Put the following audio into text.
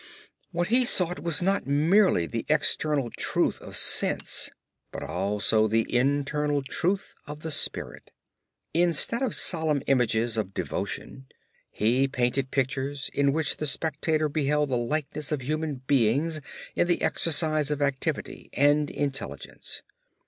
What he sought was not merely the external truth of sense, but also the inward truth of the spirit. Instead of solemn images of devotion, he painted pictures in which the spectator beheld the likeness of human beings in the exercise of activity and intelligence.